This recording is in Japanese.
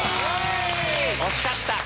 惜しかった。